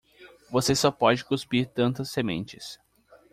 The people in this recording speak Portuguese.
Você só pode cuspir tantas sementes.